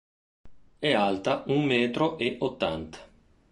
È alta un metro e ottanta.